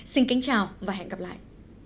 xin kính chào và hẹn gặp lại